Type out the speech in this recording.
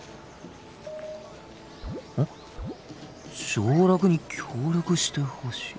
上洛に協力してほしい。